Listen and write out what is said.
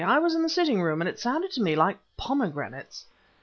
"I was in the sitting room and it sounded to me like 'pomegranates'!"